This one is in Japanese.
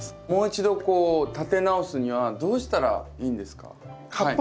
もう一度立て直すにはどうしたらいいんですか？